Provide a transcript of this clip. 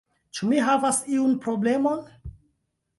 Ĉu mi havas iun problemon?